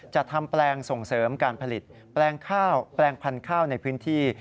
จัดทำแปลงส่งเสริมการผลิตแปลงพันธุ์ข้าวในพื้นที่